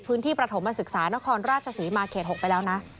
พื้นที่ประถมศึกษานครราชศรีมาร์๖ไปแล้วนะ